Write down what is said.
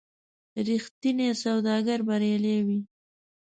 رښتینی سوداګر بریالی وي.